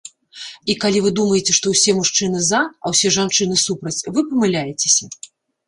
І калі вы думаеце, што ўсе мужчыны за, а ўсе жанчыны супраць, вы памыляецеся!